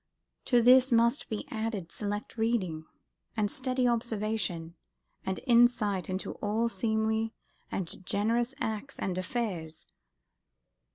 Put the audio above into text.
To this must be added select reading, and steady observation, and insight into all seemly and generous acts and affairs....